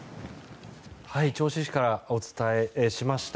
銚子市からお伝えしました。